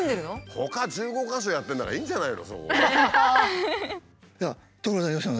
ほか１５か所やってるんだからいいんじゃないの？